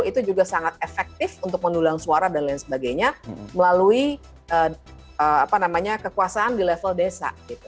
itu juga sangat efektif untuk mendulang suara dan lain sebagainya melalui kekuasaan di level desa